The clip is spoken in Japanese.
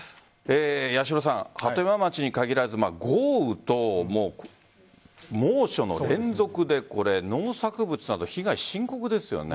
八代さん、鳩山町に限らず豪雨と猛暑の連続で農作物など被害、深刻ですよね。